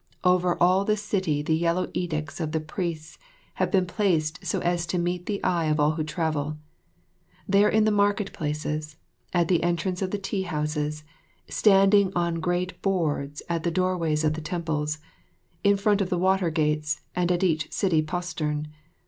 Over all the city the yellow edicts of the priests have been placed so as to meet the eye of all who travel. They are in the market places, at the entrance of the tea houses, standing on great boards at the doorways of the temples, in front of the water gates, and at each city postern.